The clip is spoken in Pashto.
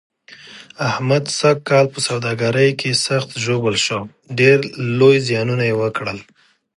احمد سږ کال په سوداګرۍ کې سخت ژوبل شو، ډېر لوی زیانونه یې وکړل.